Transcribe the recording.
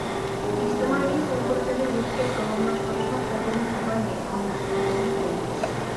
ئىجتىمائىي سۇغۇرتىنى يۆتكەپ داۋاملاشتۇرۇشنىڭ تېخىمۇ قولاي مېخانىزمىنى ئورنىتىش.